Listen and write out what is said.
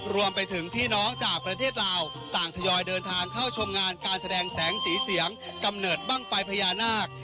รวมไปถึงพี่น้องจากประเทศลาวต่างทยอยเดินทางเข้าชมงานการแสดงแสงสีเสียงกำเนิดบ้างไฟพญานาค